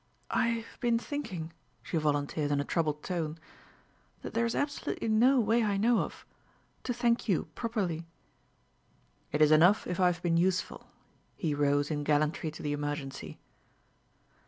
"I have been thinking," she volunteered in a troubled tone, "that there is absolutely no way I know of, to thank you properly." "It is enough if I've been useful," he rose in gallantry to the emergency.